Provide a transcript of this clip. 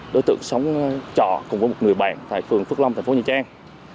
đối tượng sống trọ cùng với một người bạn tại phường phước long thành phố nha trang